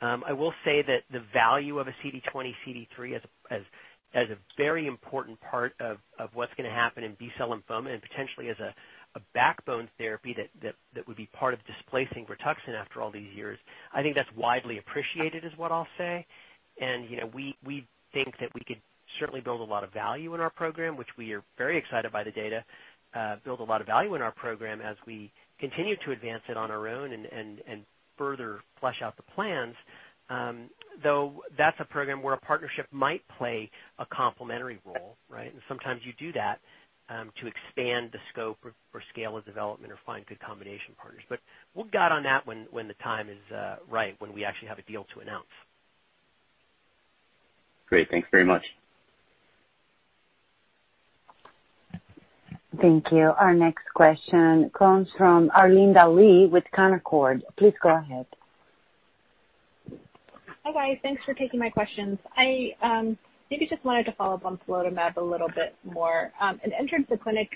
I will say that the value of a CD20/CD3 as a very important part of what's going to happen in B-cell lymphoma and potentially as a backbone therapy that would be part of displacing Rituxan after all these years, I think that's widely appreciated is what I'll say. We think that we could certainly build a lot of value in our program, which we are very excited by the data, build a lot of value in our program as we continue to advance it on our own and further flesh out the plans. That's a program where a partnership might play a complementary role, right? Sometimes you do that to expand the scope or scale of development or find good combination partners. We'll guide on that when the time is right, when we actually have a deal to announce. Great. Thanks very much. Thank you. Our next question comes from Arlinda Lee with Cowen. Please go ahead. Hi, guys. Thanks for taking my questions. I maybe just wanted to follow up on plamotamab a little bit more. It entered the clinic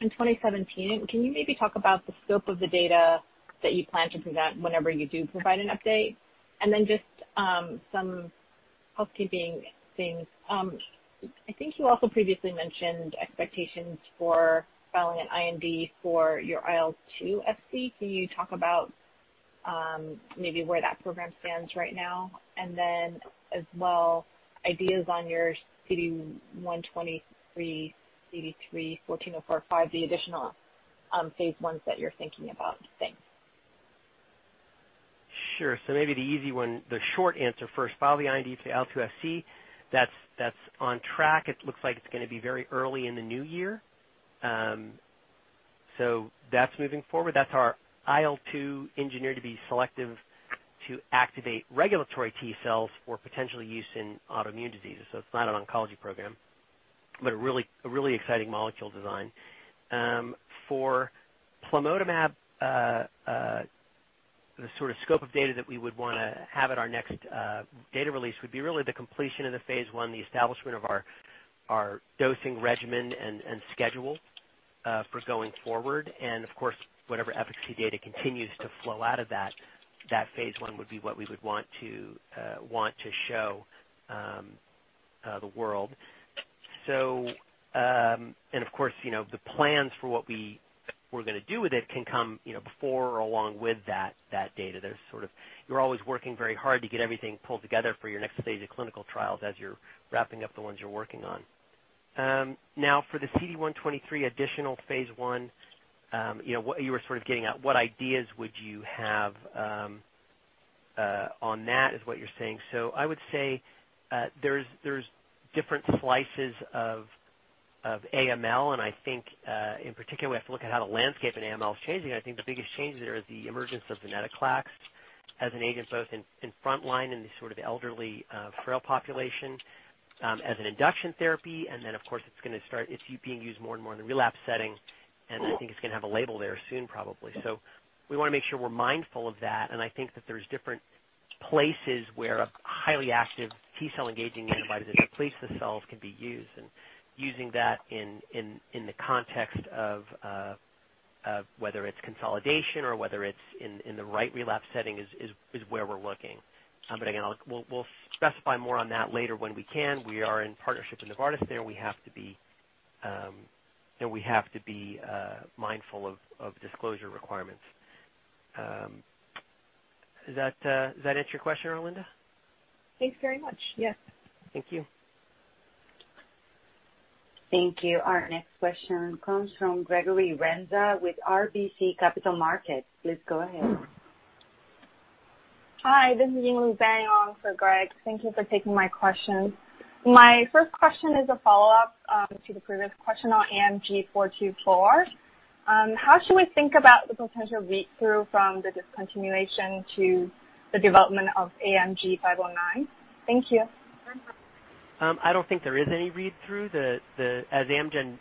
in 2017. Can you maybe talk about the scope of the data that you plan to present whenever you do provide an update? Just some housekeeping things. I think you also previously mentioned expectations for filing an IND for your IL-2-Fc. Can you talk about maybe where that program stands right now? Then, as well, ideas on your CD123/CD3 XmAb14045, the additional phase I that you're thinking about. Thanks. Sure. Maybe the easy one, the short answer first. File the IND for the IL-2-Fc, that's on track. It looks like it's going to be very early in the new year. That's moving forward. That's our IL-2 engineered to be selective to activate regulatory T cells for potential use in autoimmune diseases. It's not an oncology program, but a really exciting molecule design. For plamotamab, the sort of scope of data that we would want to have at our next data release would be really the completion of the phase I, the establishment of our dosing regimen and schedule for going forward. Of course, whatever efficacy data continues to flow out of that phase I would be what we would want to show the world. Of course, the plans for what we were going to do with it can come before or along with that data. You're always working very hard to get everything pulled together for your next phase of clinical trials as you're wrapping up the ones you're working on. For the CD123 additional phase I, you were sort of getting at what ideas would you have on that, is what you're saying. I would say, there's different slices of AML, and I think, in particular, we have to look at how the landscape in AML is changing. I think the biggest change there is the emergence of venetoclax as an agent, both in frontline in the elderly, frail population, as an induction therapy. It's being used more and more in the relapse setting, and I think it's going to have a label there soon, probably. We want to make sure we're mindful of that, and I think that there's different places where a highly active T-cell engaging antibody that depletes the cells can be used. Using that in the context of whether it's consolidation or whether it's in the right relapse setting is where we're looking. Again, we'll specify more on that later when we can. We are in partnership with Novartis there. We have to be mindful of disclosure requirements. Does that answer your question, Arlinda? Thanks very much. Yes. Thank you. Thank you. Our next question comes from Gregory Renza with RBC Capital Markets. Please go ahead. Hi, this is for Greg. Thank you for taking my question. My first question is a follow-up to the previous question on AMG 424. How should we think about the potential read-through from the discontinuation to the development of AMG 509? Thank you. I don't think there is any read-through. As Amgen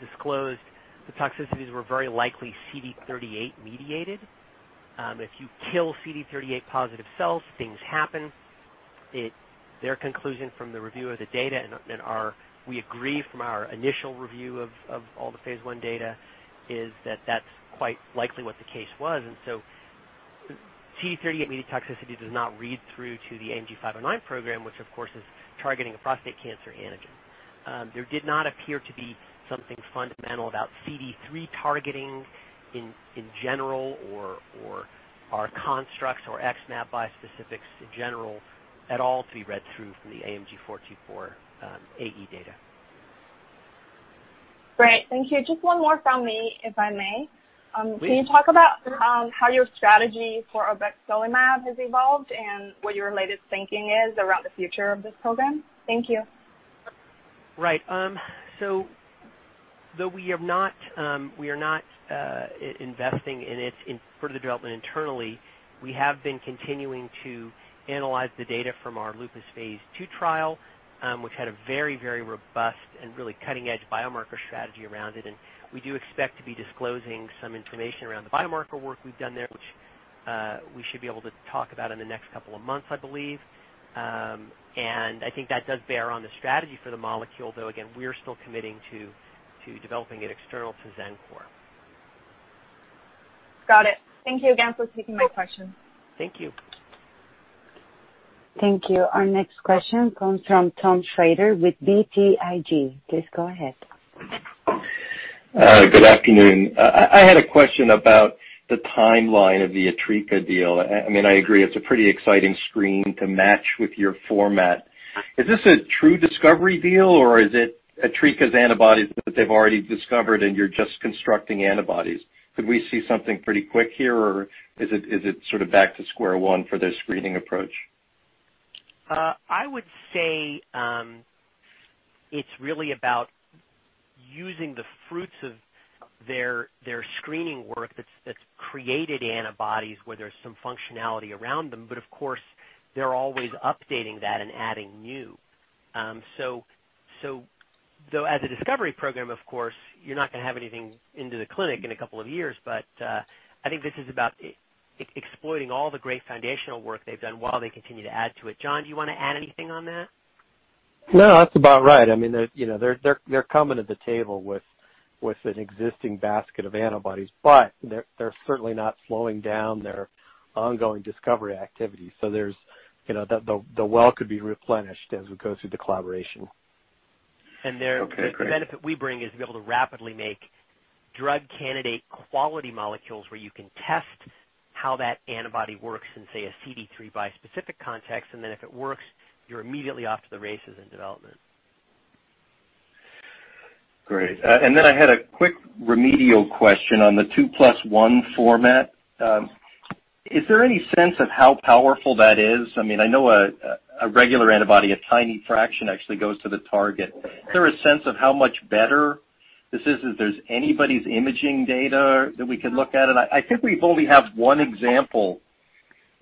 disclosed, the toxicities were very likely CD38 mediated. If you kill CD38 positive cells, things happen. Their conclusion from the review of the data, and we agree from our initial review of all the phase I data, is that that's quite likely what the case was. CD38 toxicity does not read through to the AMG 509 program, which of course is targeting a prostate cancer antigen. There did not appear to be something fundamental about CD3 targeting in general or our constructs or XmAb bispecifics in general at all to be read through from the AMG 424 AE data. Great. Thank you. Just one more from me, if I may. Please. Can you talk about how your strategy for Obexelimab has evolved and what your latest thinking is around the future of this program? Thank you. Right. Though we are not investing in it in further development internally, we have been continuing to analyze the data from our lupus phase II trial, which had a very, very robust and really cutting-edge biomarker strategy around it. We do expect to be disclosing some information around the biomarker work we've done there, which we should be able to talk about in the next couple of months, I believe. I think that does bear on the strategy for the molecule, though, again, we're still committing to developing it external to Xencor. Got it. Thank you again for taking my question. Thank you. Thank you. Our next question comes from Tom Shrader with BTIG. Please go ahead. Good afternoon. I had a question about the timeline of the Atreca deal. I agree it's a pretty exciting screen to match with your format. Is this a true discovery deal, or is it Atreca's antibodies that they've already discovered and you're just constructing antibodies? Could we see something pretty quick here, or is it sort of back to square one for this screening approach? I would say, it's really about using the fruits of their screening work that's created antibodies where there's some functionality around them. Of course, they're always updating that and adding new. Though as a discovery program, of course, you're not going to have anything into the clinic in a couple of years, but I think this is about exploiting all the great foundational work they've done while they continue to add to it. John, do you want to add anything on that? No, that's about right. They're coming to the table with an existing basket of antibodies, they're certainly not slowing down their ongoing discovery activities. The well could be replenished as we go through the collaboration. The benefit we bring is- Okay, great. To be able to rapidly make drug candidate quality molecules where you can test how that antibody works in, say, a CD3 bispecific context, and then if it works, you're immediately off to the races in development. Great. I had a quick remedial question on the 2+1 format. Is there any sense of how powerful that is? I know a regular antibody, a tiny fraction actually goes to the target. Is there a sense of how much better this is? If there's anybody's imaging data that we could look at? I think we only have one example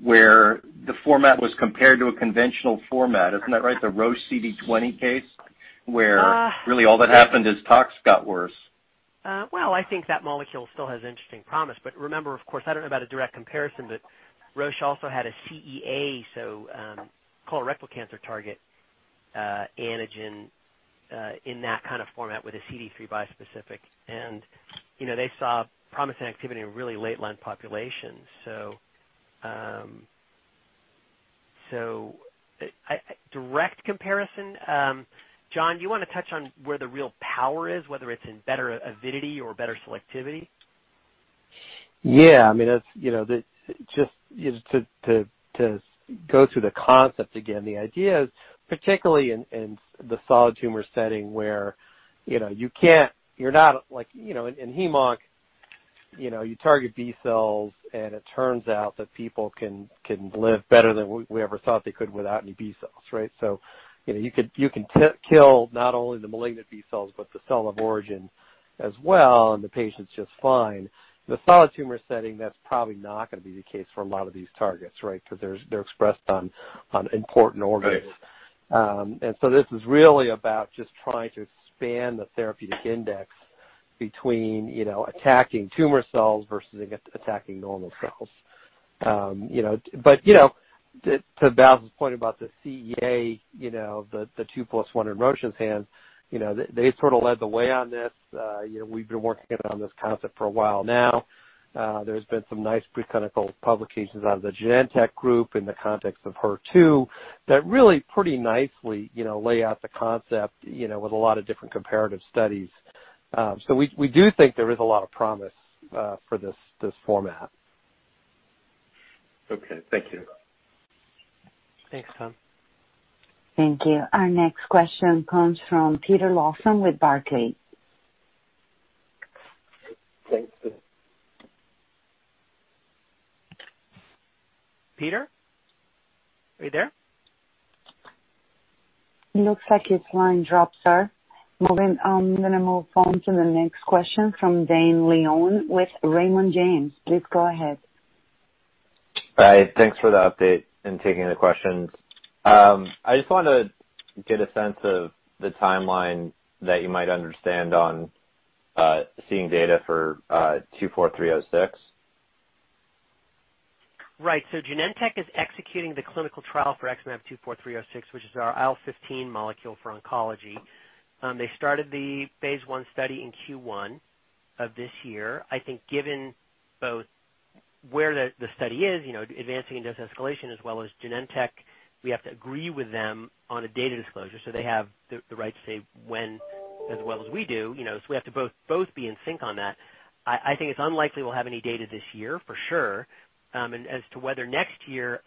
where the format was compared to a conventional format. Isn't that right? The Roche CD20 case, where really all that happened is tox got worse. Well, I think that molecule still has interesting promise, but remember, of course, I don't know about a direct comparison, but Roche also had a CEA, so colorectal cancer target antigen, in that kind of format with a CD3 bispecific. They saw promising activity in really late-line populations. Direct comparison, John, do you want to touch on where the real power is, whether it's in better avidity or better selectivity? Yeah. Just to go through the concept again, the idea is, particularly in the solid tumor setting, where you can't - you're not like in heme-onc, you, and it turns out that people can live better than we ever thought they could without any B cells. You can kill not only the malignant B cells, but the cell of origin as well, and the patient's just fine. In the solid tumor setting, that's probably not going to be the case for a lot of these targets. They're expressed on important organs. This is really about just trying to expand the therapeutic index between attacking tumor cells versus attacking normal cells. To Bassil's point about the CEA, the 2+1 in Roche's hands, they sort of led the way on this. We've been working on this concept for a while now. There's been some nice preclinical publications out of the Genentech group in the context of HER2 that really pretty nicely lay out the concept with a lot of different comparative studies. We do think there is a lot of promise for this format. Okay. Thank you. Thanks, Tom. Thank you. Our next question comes from Peter Lawson with Barclays. Thanks, Peter. Peter, are you there? Looks like his line dropped, sir. I'm going to move on to the next question from Dane Leone with Raymond James. Please go ahead. All right. Thanks for the update and taking the questions. I just want to get a sense of the timeline that you might understand on seeing data for 24306. Right. Genentech is executing the clinical trial for XmAb24306, which is our IL-15 molecule for oncology. They started the phase I study in Q1 of this year. I think given both where the study is, advancing in dose escalation as well as Genentech, we have to agree with them on a data disclosure, so they have the right to say when, as well as we do, so we have to both be in sync on that. I think it's unlikely we'll have any data this year, for sure. As to whether next year,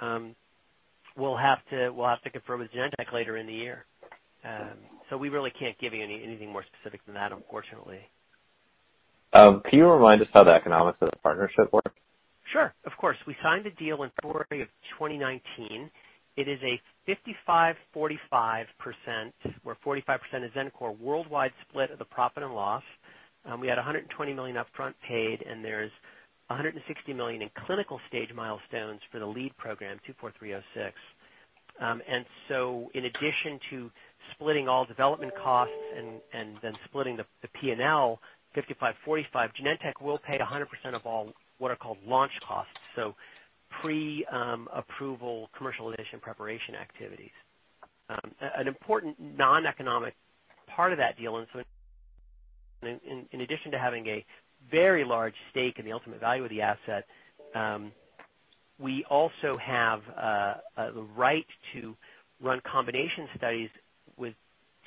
we'll have to confirm with Genentech later in the year. We really can't give you anything more specific than that, unfortunately. Can you remind us how the economics of the partnership work? Sure, of course. We signed a deal in February of 2019. It is a 55%/45%, where 45% is Xencor worldwide split of the profit and loss. We had $120 million up front paid, and there's $160 million in clinical stage milestones for the lead program, XmAb24306. In addition to splitting all development costs and then splitting the P&L 55%/45%, Genentech will pay 100% of all what are called launch costs, so pre-approval commercialization preparation activities. An important non-economic part of that deal, and so in addition to having a very large stake in the ultimate value of the asset, we also have the right to run combination studies with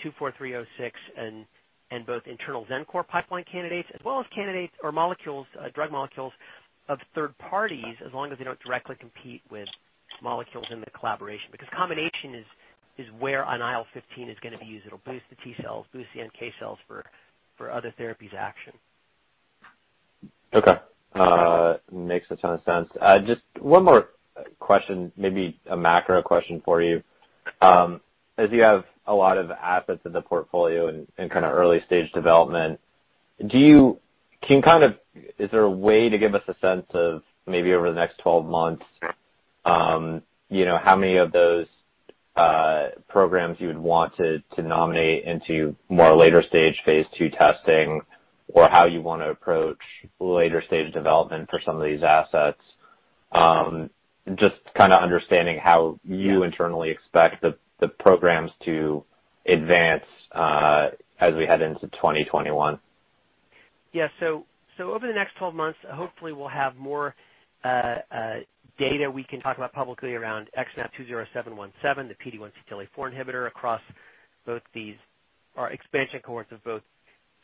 XmAb24306 and both internal Xencor pipeline candidates, as well as candidates or molecules, drug molecules of third parties, as long as they don't directly compete with molecules in the collaboration. Combination is where an IL-15 is going to be used. It'll boost the T cells, boost the NK cells for other therapies action. Okay. Makes a ton of sense. Just one more question, maybe a macro question for you. As you have a lot of assets in the portfolio in early stage development, is there a way to give us a sense of maybe over the next 12 months, how many of those programs you would want to nominate into more later stage phase II testing, or how you want to approach later stage development for some of these assets? Just understanding how you internally expect the programs to advance as we head into 2021. Over the next 12 months, hopefully we'll have more data we can talk about publicly around XmAb20717, the PD-1 CTLA-4 inhibitor across both these expansion cohorts of both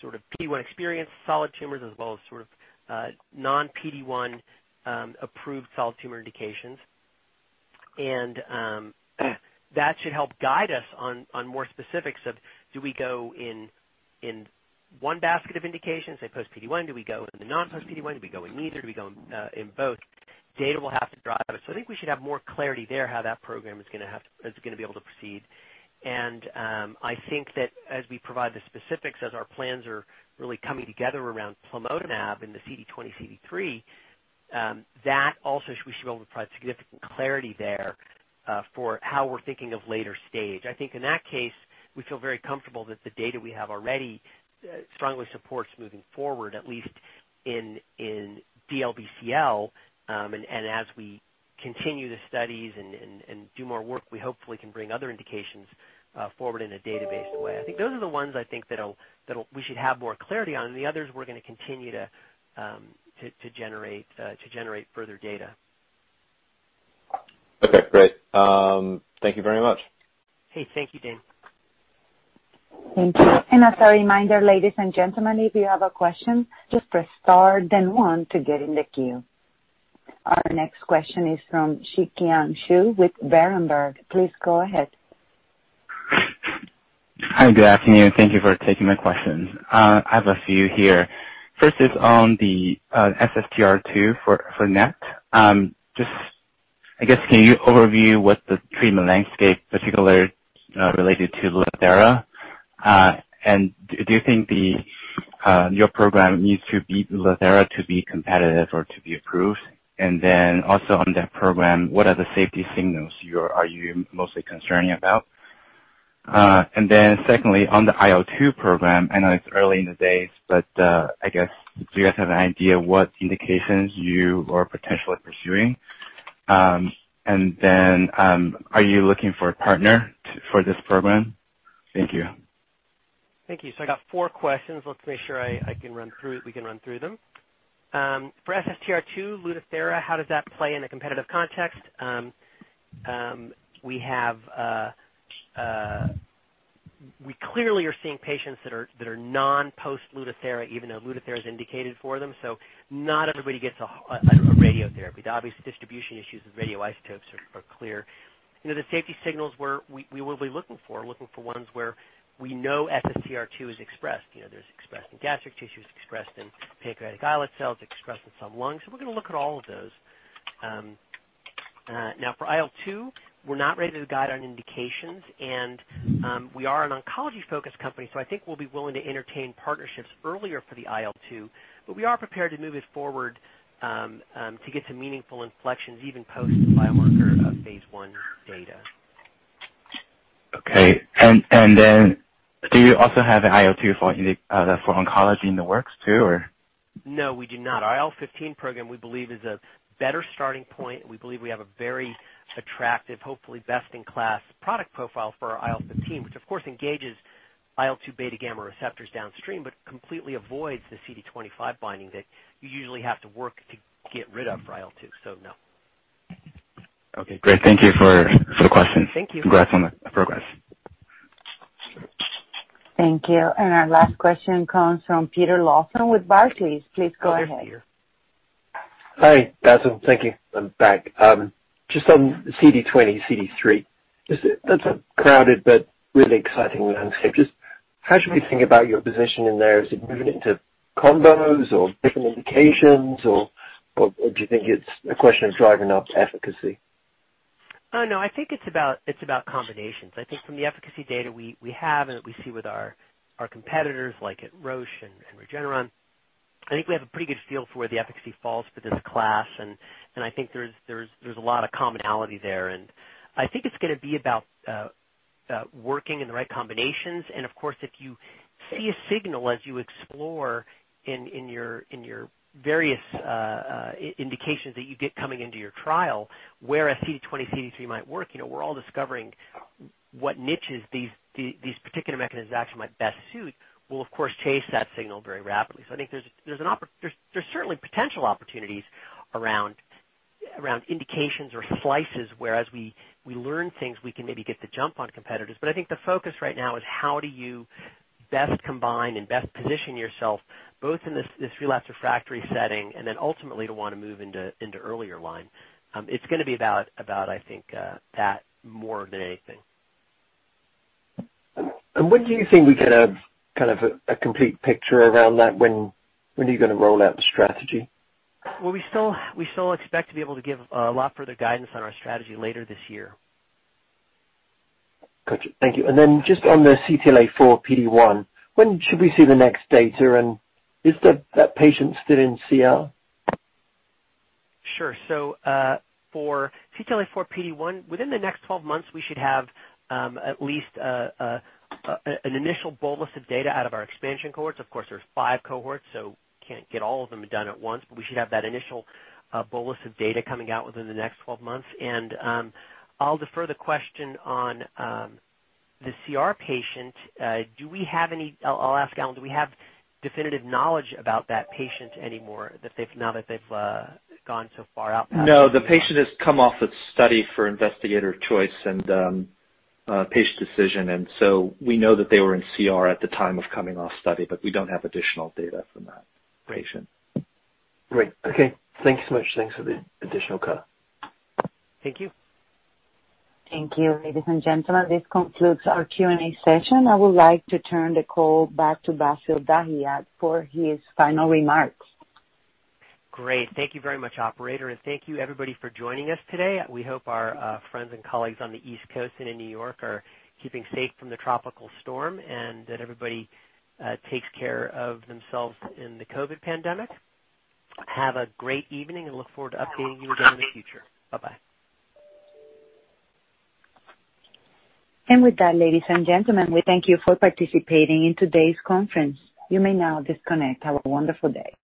sort of PD-1 experienced solid tumors as well as sort of non PD-1 approved solid tumor indications. That should help guide us on more specifics of do we go in one basket of indications, say post PD-1, do we go in the non post PD-1, do we go in neither, do we go in both? Data will have to drive it. I think we should have more clarity there, how that program is going to be able to proceed. I think that as we provide the specifics, as our plans are really coming together around plamotamab in the CD20/CD3, that also, we should be able to provide significant clarity there for how we're thinking of later stage. I think in that case, we feel very comfortable that the data we have already strongly supports moving forward, at least in DLBCL, and as we continue the studies and do more work, we hopefully can bring other indications forward in a data-based way. I think those are the ones I think that we should have more clarity on. The others we're going to continue to generate further data. Okay, great. Thank you very much. Hey, thank you, Dane. Thank you. As a reminder, ladies and gentlemen, if you have a question, just press star then one to get in the queue. Our next question is from Shanshan Xu with Berenberg. Please go ahead. Hi. Good afternoon. Thank you for taking my questions. I have a few here. First is on the SSTR2 for NET. Just, I guess, can you overview what the treatment landscape particularly related to Lutathera? Do you think your program needs to beat Lutathera to be competitive or to be approved? Also on that program, what are the safety signals you are mostly concerning about? Secondly, on the IL-2 program, I know it's early in the days, but, I guess, do you guys have an idea what indications you are potentially pursuing? Are you looking for a partner for this program? Thank you. Thank you. I got four questions. Let's make sure we can run through them. For SSTR2 Lutathera, how does that play in a competitive context? We clearly are seeing patients that are non-post Lutathera even though Lutathera is indicated for them, so not everybody gets a radiotherapy. The obvious distribution issues with radioisotopes are clear. The safety signals we will be looking for, ones where we know SSTR2 is expressed. There's expressed in gastric tissues, expressed in pancreatic islet cells, expressed in some lungs. We're going to look at all of those. Now, for IL-2, we're not ready to guide on indications. We are an oncology-focused company, so I think we'll be willing to entertain partnerships earlier for the IL-2, but we are prepared to move it forward to get some meaningful inflections, even post-biomarker phase I data. Okay. Then do you also have IL-2 for oncology in the works too, or? No, we do not. IL-15 program, we believe is a better starting point. We believe we have a very attractive, hopefully best-in-class product profile for our IL-15, which of course engages IL-2 beta gamma receptors downstream, but completely avoids the CD25 binding that you usually have to work to get rid of for IL-2. No. Okay, great. Thank you for the question. Thank you. Congrats on the progress. Thank you. Our last question comes from Peter Lawson with Barclays. Please go ahead. Hi, Bassil. Thank you. I'm back. Just on CD20, CD3. That's a crowded but really exciting landscape. Just how should we think about your position in there? Is it moving into combos or different indications, or do you think it's a question of driving up efficacy? No, I think it's about combinations. I think from the efficacy data we have and that we see with our competitors like at Roche and Regeneron, I think we have a pretty good feel for where the efficacy falls for this class, and I think there's a lot of commonality there. I think it's gonna be about working in the right combinations, and of course, if you see a signal as you explore in your various indications that you get coming into your trial, where a CD20/CD3 might work. We're all discovering what niches these particular mechanisms of action might best suit. We'll of course chase that signal very rapidly. I think there's certainly potential opportunities around indications or slices, whereas we learn things we can maybe get the jump on competitors. I think the focus right now is how do you best combine and best position yourself both in this relapsed/refractory setting and then ultimately to want to move into earlier line. It's going to be about, I think, that more than anything. When do you think we get a kind of complete picture around that? When are you gonna roll out the strategy? Well, we still expect to be able to give a lot further guidance on our strategy later this year. Got you. Thank you. Then just on the CTLA-4 PD-1, when should we see the next data, and is that patient still in CR? Sure. For CTLA-4 PD-1, within the next 12 months, we should have at least an initial bolus of data out of our expansion cohorts. Of course, there's five cohorts, so can't get all of them done at once, but we should have that initial bolus of data coming out within the next 12 months. I'll defer the question on the CR patient. I'll ask Allen, do we have definitive knowledge about that patient anymore, now that they've gone so far out past? The patient has come off of study for investigator choice and patient decision. We know that they were in CR at the time of coming off study. We don't have additional data from that patient. Great. Okay. Thank you so much. Thanks for the additional color. Thank you. Thank you, ladies and gentlemen. This concludes our Q&A session. I would like to turn the call back to Bassil Dahiyat for his final remarks. Great. Thank you very much, operator, and thank you everybody for joining us today. We hope our friends and colleagues on the East Coast and in New York are keeping safe from the tropical storm, and that everybody takes care of themselves in the COVID-19 pandemic. Have a great evening, and look forward to updating you again in the future. Bye-bye. With that, ladies and gentlemen, we thank you for participating in today's conference. You may now disconnect. Have a wonderful day.